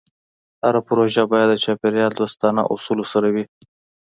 هره پروژه باید د چاپېریال دوستانه اصولو سره وي.